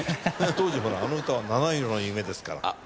当時あの歌は七色の夢ですから。